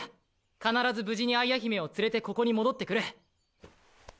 必ず無事に愛矢姫を連れてここに戻ってくる。